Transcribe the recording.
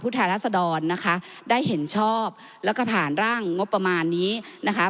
แทนรัศดรนะคะได้เห็นชอบแล้วก็ผ่านร่างงบประมาณนี้นะคะ